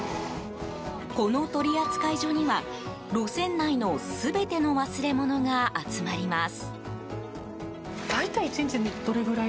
この取扱所には、路線内の全ての忘れ物が集まります。